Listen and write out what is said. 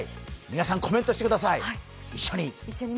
皆さんコメントしてください、一緒に！